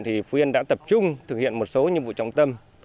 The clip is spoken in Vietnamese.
thì phú yên đã tập trung thực hiện một số nhiệm vụ trọng tâm